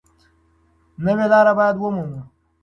نوې لاره باید ومومو.